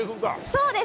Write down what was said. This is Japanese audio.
そうです。